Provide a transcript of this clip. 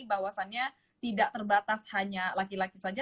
bahwasannya tidak terbatas hanya laki laki saja